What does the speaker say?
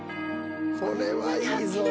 これはいいぞ。